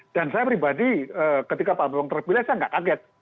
dan saya pribadi ketika pak bambang terpilih saya enggak kaget